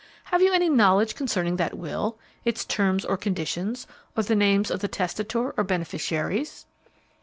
Have you any knowledge concerning that will, its terms or conditions, or the names of the testator or beneficiaries?"